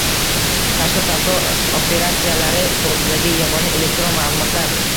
Tashqi savdo operatsiyalari to'g'risidagi yagona elektron ma'lumotlar